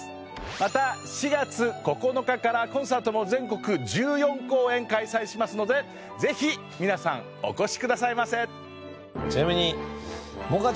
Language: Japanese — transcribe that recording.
また４月９日からコンサートも全国１４公演開催しますのでぜひ皆さんお越しくださいませ。